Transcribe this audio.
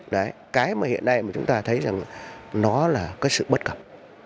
đấy cái mà hiện nay mà chúng ta thấy rằng nó là cái sự bất cập